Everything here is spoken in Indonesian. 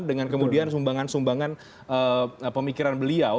dengan kemudian sumbangan sumbangan pemikiran beliau